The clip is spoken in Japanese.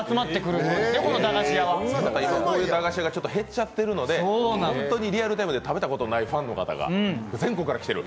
こういう駄菓子屋が減っちゃっているので、本当にリアルタイムで食べたことのない方が全国から来ていると。